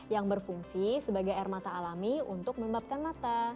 yang berfungsi sebagai air mata alami untuk melembabkan mata